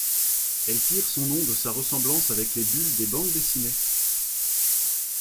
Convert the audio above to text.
Elle tire son nom de sa ressemblance avec les bulles des bandes dessinées.